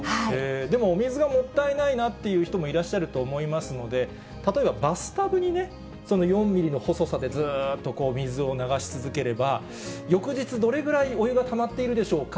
でもお水がもったいないなっていう人もいらっしゃると思いますので、例えばバスタブにその４ミリの細さでずっと水を流し続ければ、翌日、どれぐらいお湯がたまっているでしょうか？